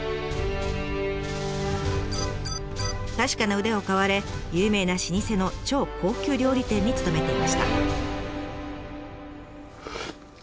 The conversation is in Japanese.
確かな腕を買われ有名な老舗の超高級料理店に勤めていました。